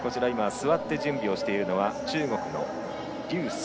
座って準備をしているのは中国の劉翠